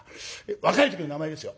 若い時の名前ですよ。